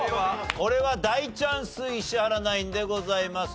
これは大チャンス石原ナインでございます。